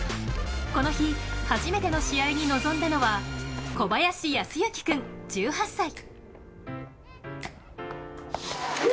この日、初めての試合に臨んだのは小林靖征君、１８歳。